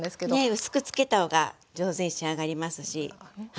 薄くつけた方が上手に仕上がりますし。